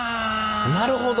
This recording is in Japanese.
なるほど。